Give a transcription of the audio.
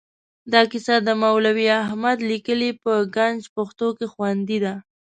دا کیسه د مولوي احمد لیکلې په ګنج پښتو کې خوندي ده.